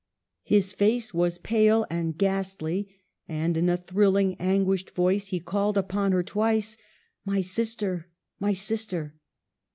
His face was pale and ghastly, and in a thrilhng, anguished voice he called upon her twice :*' My sister ! my sister